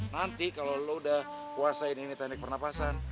nanti kalau lo udah kuasain ini teknik pernapasan